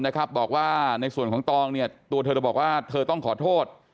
บอกว่าในส่วนของตองเนี่ยตัวเธอบอกว่าเธอต้องขอโทษ